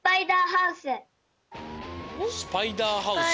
スパイダーハウス？